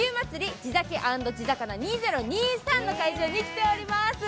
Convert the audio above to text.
地酒＆地肴２０２３の会場に来ております。